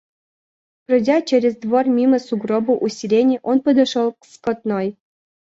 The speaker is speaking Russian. Пройдя черев двор мимо сугроба у сирени, он подошел к скотной.